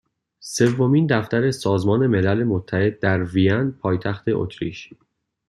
سومین دفتر سازمان ملل متحد در وین پایتخت اتریش